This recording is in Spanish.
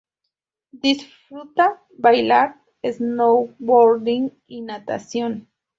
Disfruta Bailar, Snowboarding y Natación.